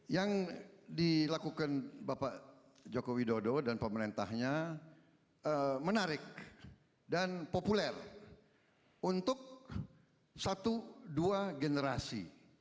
yang dilakukan bapak joko widodo dan pemerintahnya menarik dan populer untuk satu dua generasi